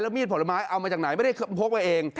มีดผลไม้เอามาจากไหนไม่ได้พกไว้เอง